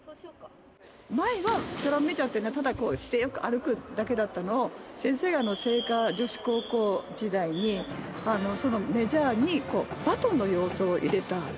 前はドラムメジャーって、ただ、姿勢よく歩くだけだったのを、先生が精華女子高校時代に、そのメジャーにバトンの要素を入れた。